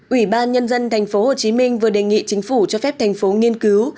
ủy ban nhân dân tp hcm vừa đề nghị chính phủ cho phép thành phố nghiên cứu